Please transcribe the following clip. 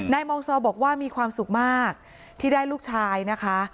มองซอบอกว่ามีความสุขมากที่ได้ลูกชายนะคะ